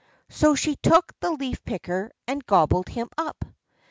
So she took the leaf picker and gobbled him up.